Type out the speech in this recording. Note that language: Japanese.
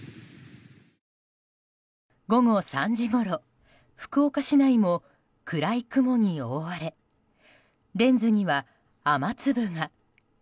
午後３時ごろ福岡市内も暗い雲に覆われレンズには雨粒が。